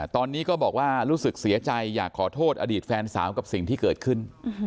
ตอนนี้ก็บอกว่ารู้สึกเสียใจอยากขอโทษอดีตแฟนสาวกับสิ่งที่เกิดขึ้น